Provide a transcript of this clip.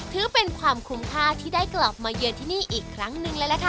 ถือเป็นความคุ้มค่าที่ได้กลับมาเยือนที่นี่อีกครั้งหนึ่งเลยล่ะค่ะ